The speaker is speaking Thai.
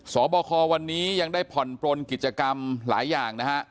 สอบคอวันนี้ยังได้ผ่อนปลนกิจกรรมหลายอย่างนะฮะ